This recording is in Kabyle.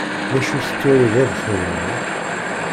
D acu tettwaliḍ ad t-xedmen?